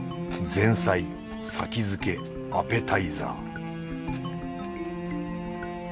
前菜先づけアペタイザー